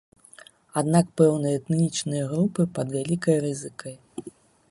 Аднак пэўныя этнічныя групы пад вялікай рызыкай.